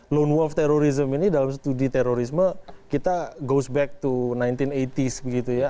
lone wolf terrorism ini dalam studi terorisme kita goes back to seribu sembilan ratus delapan puluh s begitu ya